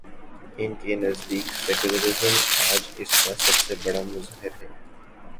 ان کے نزدیک سیکولرازم، آج اس کا سب سے بڑا مظہر ہے۔